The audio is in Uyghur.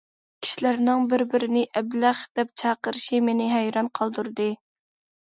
كىشىلەرنىڭ بىر- بىرىنى« ئەبلەخ» دەپ چاقىرىشى مېنى ھەيران قالدۇردى.